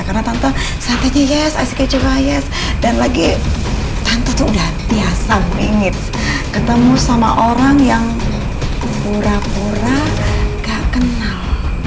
karena tante saatnya yes asik aja ya dan lagi tante tuh udah biasa mingit ketemu sama orang yang pura pura nggak kenal